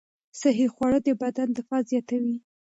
صحي خواړه د بدن دفاع زیاتوي.